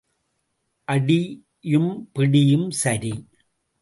அடியும் பிடியும் சரி.